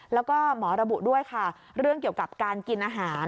แล้วก็หมอระบุด้วยค่ะเรื่องเกี่ยวกับการกินอาหาร